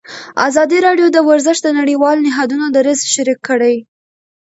ازادي راډیو د ورزش د نړیوالو نهادونو دریځ شریک کړی.